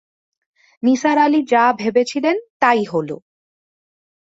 নিসার আলি যা ভেবেছিলেন, তা-ই হলো।